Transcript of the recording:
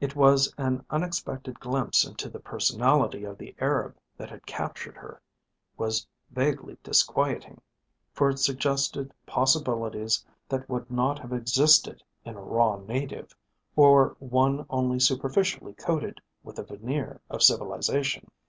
It was an unexpected glimpse into the personality of the Arab that had captured her was vaguely disquieting, for it suggested possibilities that would not have existed in a raw native, or one only superficially coated with a veneer of civilisation.